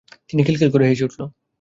তিন্নি খিলখিল করে হেসে উঠল!